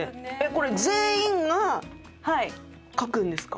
これ全員が書くんですか？